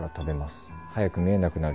早く見えなくなるように。